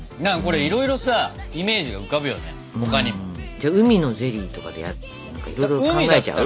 じゃあ海のゼリーとかでいろいろ考えちゃう？